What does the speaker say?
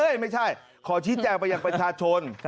เอ๊ะไม่ใช่ขอชี้แจงไปยังประชาชน